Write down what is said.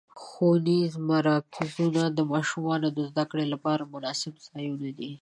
ښوونیز مرکزونه د ماشومانو د زدهکړو لپاره مناسب ځایونه دي.